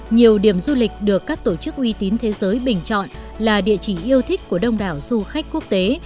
nhiều điểm du lịch được các tổ chức uy tín thế giới bình chọn là địa chỉ yêu thích của đông đảo du khách quốc tế